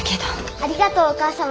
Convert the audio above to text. ありがとうお母様。